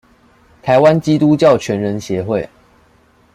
臺灣基督教全人協會